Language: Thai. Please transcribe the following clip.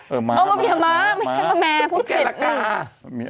เออมมี่ม่ามีแค่แมงพูดคืนนึงพี่แกรักกา